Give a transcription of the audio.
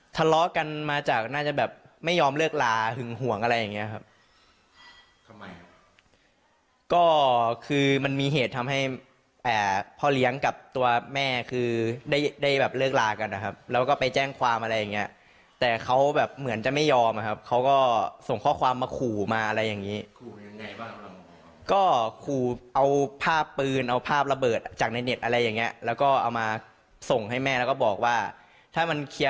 ทะเลาะกันมาจากน่าจะแบบไม่ยอมเลิกลาหึงห่วงอะไรอย่างเงี้ยครับทำไมครับก็คือมันมีเหตุทำให้พ่อเลี้ยงกับตัวแม่คือได้ได้แบบเลิกลากันนะครับแล้วก็ไปแจ้งความอะไรอย่างเงี้ยแต่เขาแบบเหมือนจะไม่ยอมนะครับเขาก็ส่งข้อความมาขู่มาอะไรอย่างนี้ขู่ยังไงบ้างก็ขู่เอาภาพปืนเอาภาพระเบิดจากในเน็ตอะไรอย่างเงี้ยแล้วก็เอามาส่งให้แม่แล้วก็บอกว่าถ้ามันเคลียร์